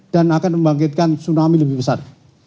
dan akan membangkitkan tsunami lebih besar